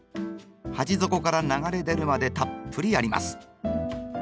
鉢底から流れ出るまでたっぷりやります。